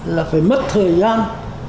là phải mất thời gian